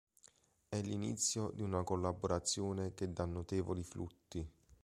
È l'inizio di una collaborazione che dà notevoli frutti.